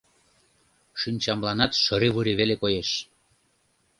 Шинчамланат шыри-вури веле коеш...